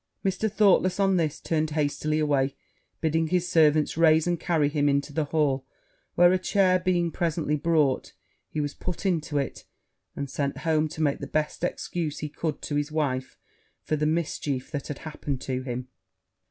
Mr. Thoughtless, on this, turned hastily away, bidding his servants raise and carry him into the hall, where a chair being presently brought, he was put into it, and sent home to make the best excuse he could to his wife for the mischief that had happened to him.